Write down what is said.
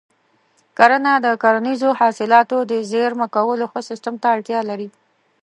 کرنه د کرنیزو حاصلاتو د زېرمه کولو ښه سیستم ته اړتیا لري.